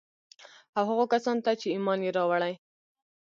او هغو کسان ته چي ايمان ئې راوړى